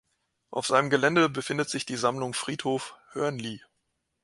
Auf seinem Gelände befindet sich die Sammlung Friedhof Hörnli.